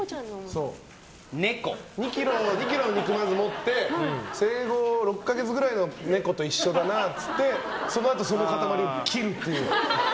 ２ｋｇの肉を持って生後６か月ぐらいの猫と一緒だなっつってそのあと、その塊を切るっていう。